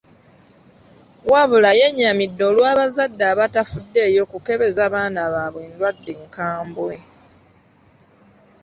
Wabula yennyamidde olw'abazadde abatafuddeyo kukebeza baana baabwe ndwadde nkambwe.